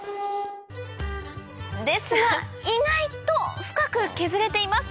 ですが意外と深く削れています